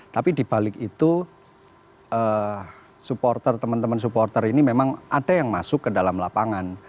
tapi dibalik itu supporter teman teman supporter ini memang ada yang masuk ke dalam lapangan